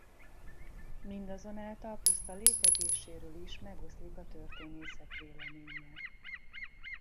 Mindazonáltal puszta létezéséről is megoszlik a történészek véleménye.